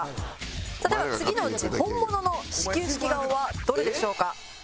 「では次のうち本物の始球式顔はどれでしょうか？」